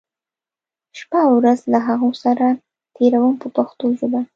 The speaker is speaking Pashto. شپه او ورځ له هغو سره تېروم په پښتو ژبه.